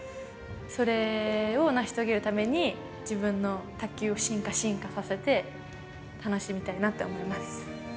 それを成し遂げるために、自分の卓球を進化、進化させて、楽しみたいなって思います。